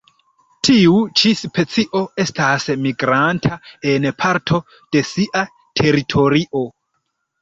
Tiu ĉi specio estas migranta en parto de sia teritorio.